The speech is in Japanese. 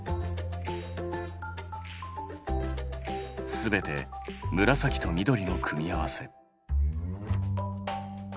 すべて紫と緑の組み合わせ。